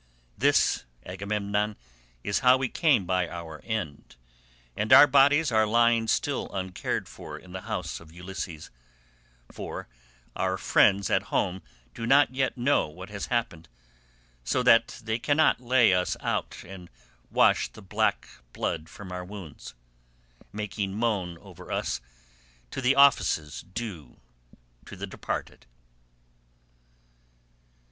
This, Agamemnon, is how we came by our end, and our bodies are lying still uncared for in the house of Ulysses, for our friends at home do not yet know what has happened, so that they cannot lay us out and wash the black blood from our wounds, making moan over us according to the offices due to the departed."